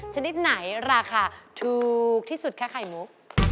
ชนิดไหนราคาถูกที่สุดคะไข่มุก